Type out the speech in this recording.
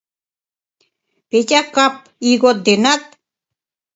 Петя кап, ийгот денат